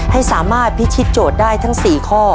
ให้สามารถพิชิตโจทย์ได้ทั้ง๔ข้อ